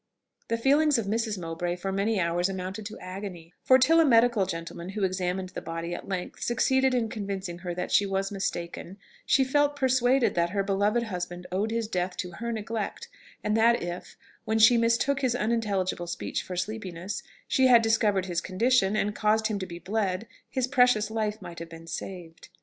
The feelings of Mrs. Mowbray for many hours amounted to agony; for till a medical gentleman who examined the body at length succeeded in convincing her that she was mistaken, she felt persuaded that her beloved husband owed his death to her neglect, and that if, when she mistook his unintelligible speech for sleepiness, she had discovered his condition, and caused him to be bled, his precious life might have been saved.